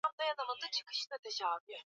ambae vilevile ana ugonjwa ule ule wa